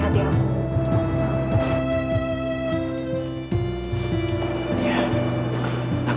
dari hati aku